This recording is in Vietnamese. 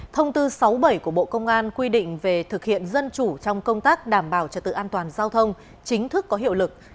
thông tư sáu bảy của bộ công an quy định về thực hiện dân chủ trong công tác đảm bảo trật tự an toàn giao thông chính thức có hiệu lực